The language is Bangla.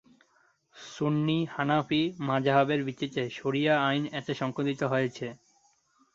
সুন্নি হানাফি মাজহাবের ভিত্তিতে শরিয়া আইন এতে সংকলিত হয়েছে।